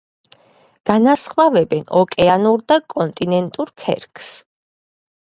განასხვავებენ ოკეანურ და კონტინენტურ ქერქს.